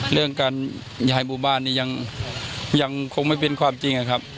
เรื่องการย้ายหมู่บ้านนี้ยังคงไม่เป็นความจริงนะครับ